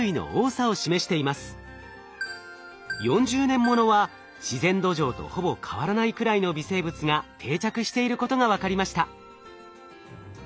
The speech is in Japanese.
４０年ものは自然土壌とほぼ変わらないくらいの微生物が定着していることが分かりました。